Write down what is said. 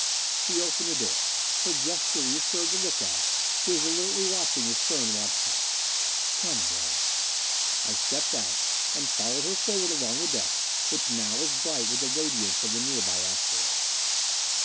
She opened the door. Her gesture reassured the look out, who was alertly watching the stern watch tower. "Come, Gregg." I stepped out, and followed her forward along the deck, which now was bright with the radiance of the nearby asteroid.